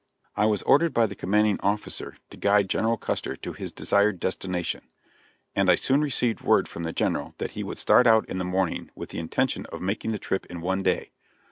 I was ordered by the commanding officer to guide General Custer to his desired destination, and I soon received word from the General that he would start out in the morning with the intention of making the trip in one day.